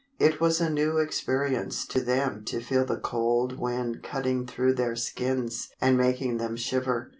It was a new experience to them to feel the cold wind cutting through their skins and making them shiver.